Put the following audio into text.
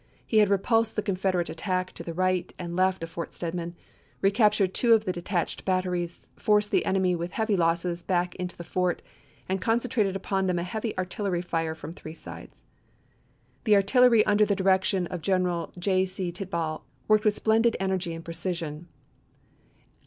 He had repulsed the Confederate '65'" p" al7 attack to the right and left of Fort Stedman, re captured two of the detached batteries, forced the Mar.25,1865. enemy with heavy loss back into the fort, and con centrated upon them a heavy artillery fire from three sides. The artillery under the direction of General J. C. Tidball worked with splendid energy and precision.